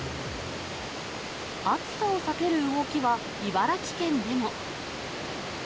暑さを避ける動きは茨城県でも。